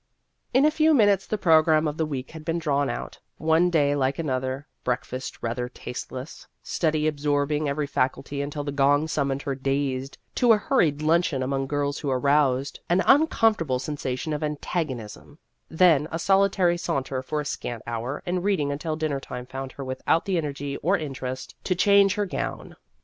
In a few minutes the program of the week had been drawn out one day like another, breakfast rather tasteless, study absorbing every faculty until the gong summoned her dazed to a hurried luncheon among girls who aroused an uncomfort 148 Vassar Studies able sensation of antagonism, then a soli tary saunter for a scant hour, and reading until dinner time found her without the energy or interest to change her gown.